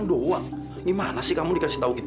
bagaimana kamu bisa memberitahu saya